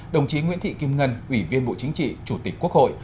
đồng chí nguyễn thị kim ngân ủy viên bộ chính trị chủ tịch quốc hội